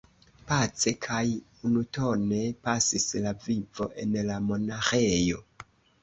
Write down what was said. Pace kaj unutone pasis la vivo en la monaĥejo.